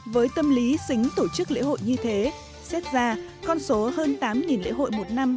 với tâm lý xính tổ chức lễ hội như thế xét ra con số hơn tám lễ hội một năm